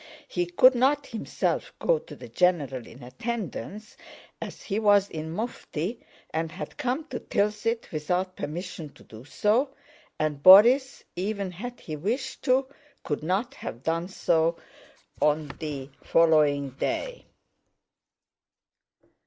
He could not himself go to the general in attendance as he was in mufti and had come to Tilsit without permission to do so, and Borís, even had he wished to, could not have done so on the following day.